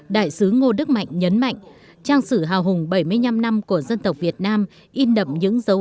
đại sứ ngô đức mạnh nhấn mạnh trang sử hào hùng bảy mươi năm năm của dân tộc việt nam in đậm những dấu